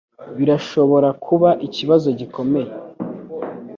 Birashobora kuba ikibazo gikomeye